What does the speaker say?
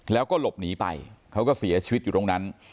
แล้วก็หลบหนีไปเขาก็เสียชีวิตอยู่ตรงนั้น